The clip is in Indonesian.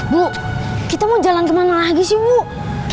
buuuh kita mau jalan kemana lagi sih buuuh